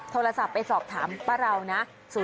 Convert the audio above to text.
โทรศัพท์ไปสอบถามป้าเรานะ